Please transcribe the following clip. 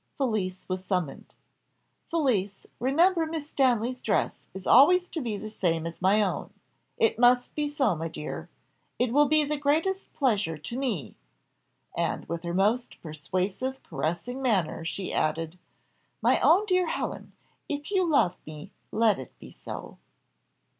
Felicie was summoned. "Felicie, remember Miss Stanley's dress is always to be the same as my own. It must be so, my dear. It will be the greatest pleasure to me," and with her most persuasive caressing manner, she added, "My own dear Helen, if you love me, let it be so."